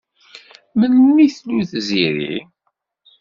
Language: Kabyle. Melmi i tlul Tiziri?